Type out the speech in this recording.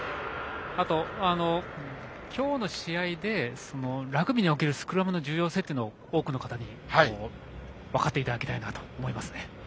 あと、今日の試合でラグビーにおけるスクラムの重要性を多くの方に分かっていただきたいなと思います。